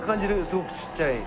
すごくちっちゃい。